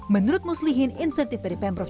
menurut muslihin insentif beri pemberontak